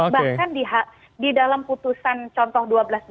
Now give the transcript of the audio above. bahkan di dalam putusan contoh dua belas dua ribu